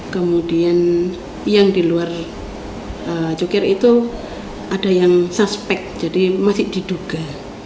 kemudian yang di luar cukir itu ada yang suspek jadi masih diduga